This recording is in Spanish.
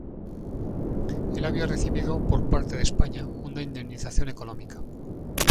Él había recibido por parte de España, una indemnización económica.